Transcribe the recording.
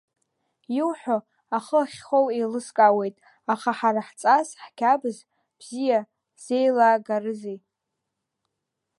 Иуҳәо ахы ахьхоу еилыскаауеит, аха ҳара ҳҵас-ҳқьабз бзиа зеилаагарызеи?